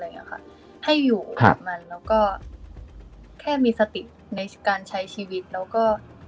ให้อยู่กับมันแล้วก็แค่มีสติในการใช้ชีวิตแล้วก็